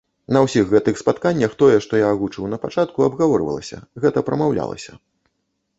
На ўсіх гэтых спатканнях тое, што я агучыў на пачатку, абгаворвалася, гэта прамаўлялася.